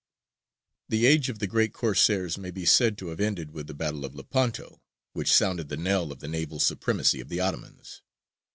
The age of the great Corsairs may be said to have ended with the battle of Lepanto, which sounded the knell of the naval supremacy of the Ottomans.